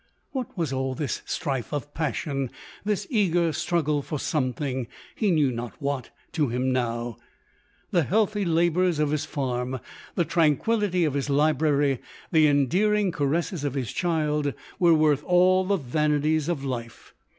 What was all this strife of passion, this eager struggle for something, he knew not what, to him now ? The healthy labours of his farm, the tranquillity of his library, the endear in o caresses of his child, were worth all the vanities of life.